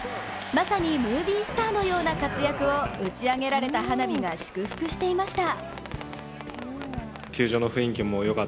まさにムービースターのような活躍を打ち上げられた花火が祝福していました。